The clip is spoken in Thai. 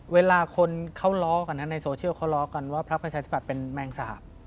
เวลาคนเขาล้อกันในโซเชียลเขาล้อกันว่าพักประชาธิบัตย์เป็นแมงสาบ